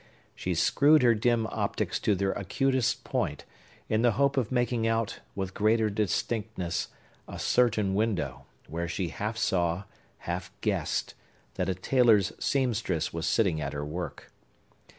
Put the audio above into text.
She screwed her dim optics to their acutest point, in the hope of making out, with greater distinctness, a certain window, where she half saw, half guessed, that a tailor's seamstress was sitting at her work.